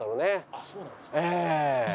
あっそうなんですか。